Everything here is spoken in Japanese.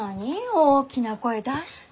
大きな声出して。